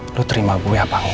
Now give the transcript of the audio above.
lo terima gue apa enggak